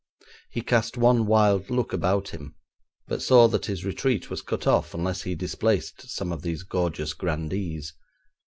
He cast one wild look about him, but saw that his retreat was cut off unless he displaced some of these gorgeous grandees.